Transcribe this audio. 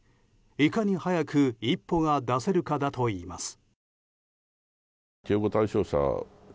いかに早く一歩が出せるかだといいます。